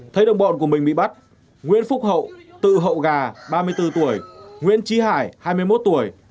thấy đồng bọn của mình bị bắt nguyễn phúc hậu tự hậu gà ba mươi bốn tuổi nguyễn trí hải hai mươi một tuổi